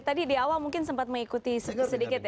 tadi di awal mungkin sempat mengikuti sedikit ya